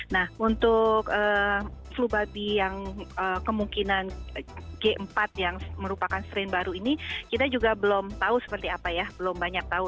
nah untuk flu babi yang kemungkinan g empat yang merupakan strain baru ini kita juga belum tahu seperti apa ya belum banyak tahu